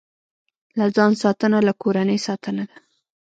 له ځان ساتنه، له کورنۍ ساتنه ده.